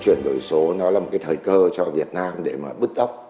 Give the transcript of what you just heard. chuyển đổi số nó là một cái thời cơ cho việt nam để mà bứt tốc